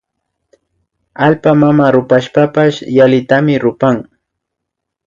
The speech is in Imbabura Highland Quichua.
Allpa mama rupashpapash yallitami rupan